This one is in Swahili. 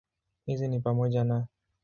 Hizi ni pamoja na